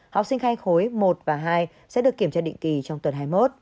học sinh khai khối một và hai sẽ được kiểm tra định kỳ trong tuần hai mươi một